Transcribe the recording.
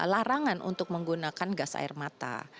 larangan untuk menggunakan gas air mata